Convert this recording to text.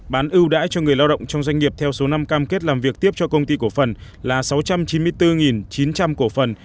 bán ưu đãi cho người lao động trong doanh nghiệp theo số năm cam kết làm việc tiếp cho công ty cổ phần là sáu trăm chín mươi bốn chín trăm linh cổ phần